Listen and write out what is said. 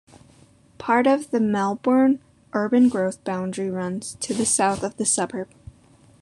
Part of the Melbourne Urban Growth Boundary runs to the south of the suburb.